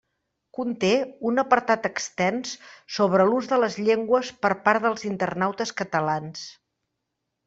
Conté un apartat extens sobre l'ús de les llengües per part dels internautes catalans.